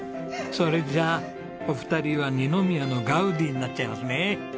それじゃお二人は二宮のガウディになっちゃいますね。